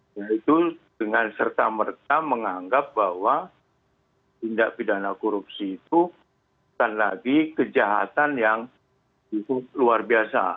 yaitu dengan serta merta menganggap bahwa tindak pidana korupsi itu bukan lagi kejahatan yang luar biasa